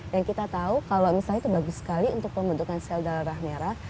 dan kita tahu kalau misalnya itu bagus sekali untuk pembentukan sel darah merah